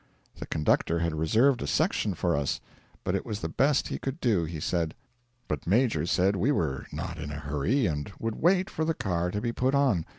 The conductor had reserved a section for us it was the best he could do, he said. But Major said we were not in a hurry, and would wait for the car to be put on.